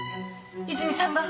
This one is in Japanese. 泉さんが！？